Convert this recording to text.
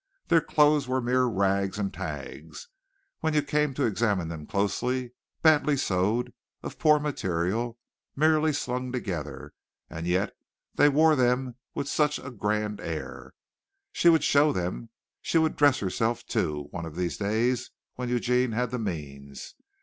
Their clothes were mere rags and tags, when you came to examine them closely badly sewed, of poor material, merely slung together, and yet they wore them with such a grand air! She would show them. She would dress herself too, one of these days, when Eugene had the means.